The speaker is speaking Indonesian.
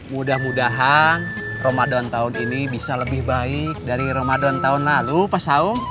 mudah mudahan rome aon tahun ini bisa lebih baik dari rome aon tahun lalu pak saung